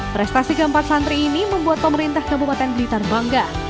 prestasi keempat santri ini membuat pemerintah kabupaten blitar bangga